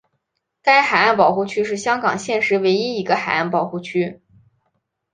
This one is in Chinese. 该海岸保护区是香港现时唯一一个海岸保护区。